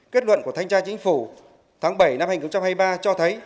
kết luận của thanh tra chính phủ tháng bảy năm một nghìn chín trăm hai mươi ba cho thấy